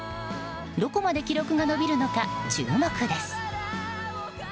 どこまで記録が伸びるのか注目です。